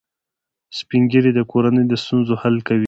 سپین ږیری د کورنۍ د ستونزو حل کوي